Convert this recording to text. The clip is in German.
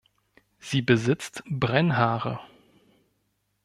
Sie besitzt Brennhaare.